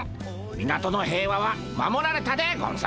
港の平和は守られたでゴンス。